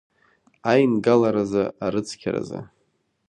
Аингаларазы, арыцқьаразы.